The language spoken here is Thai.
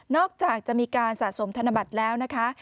จากจะมีการสะสมธนบัตรแล้วนะคะ